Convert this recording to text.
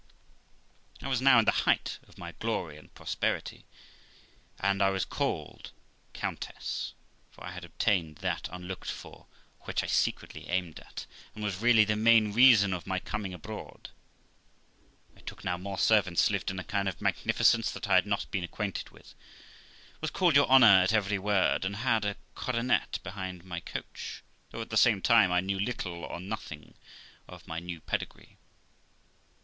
I was now in the height of my glory and prosperity, and I was called the Countess de ; for I had obtained that unlocked for, which I secretly aimed at, and was really the main reason of my coming abroad. I took now more servants, lived in a kind of magnificence that I had not been acquainted with, was called 'your honour' at every word, and had a coronet behind my coach; though at the same time I knew little or nothing of my new pedigree.